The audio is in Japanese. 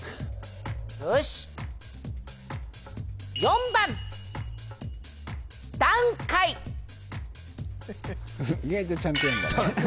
よし意外とちゃんとやんだね